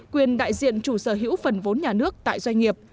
quyền đại diện chủ sở hữu phần vốn nhà nước tại doanh nghiệp